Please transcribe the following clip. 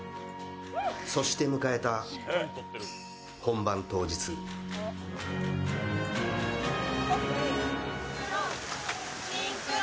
そして、迎えた本番当日シンクロ！